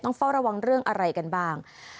เฝ้าระวังเรื่องอะไรกันบ้าง